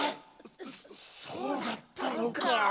そうだったのか。